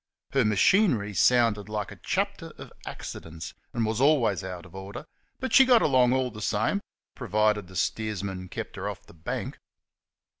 Her machinery sounded like a chapter of accidents and was always out of order, but she got along all the same, provided the steersman kept her off the bank.